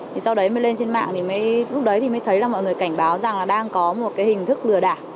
thì sau đấy mới lên trên mạng thì mới lúc đấy thì mới thấy là mọi người cảnh báo rằng là đang có một cái hình thức lừa đảo